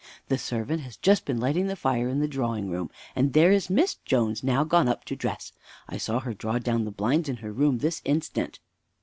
The servant has just been lighting the fire in the drawing room; and there is Miss Jones now gone up to dress. I saw her draw down the blinds in her room this instant."